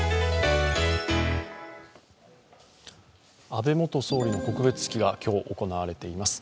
安倍元総理の告別式が今日行われています。